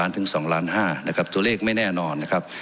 ถึง๒ล้าน๕นะครับตัวเลขไม่แน่นอนนะครับ